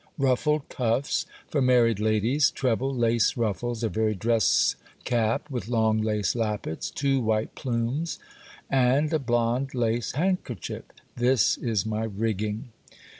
Ruffled cuffs for married ladies,—treble lace ruffles, a very dress cap with long lace lappets, two white plumes, and a blonde lace handkerchief. This is my rigging."